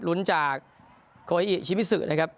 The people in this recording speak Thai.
ลุ้นจากโคอิชิมิสุนะครับ